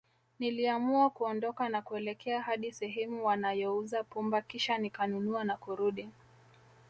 Niliamua kuondoka na kuelekea hadi sehemu wanayouza pumba Kisha nikanunua na kurudi